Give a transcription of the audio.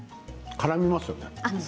からみますよね。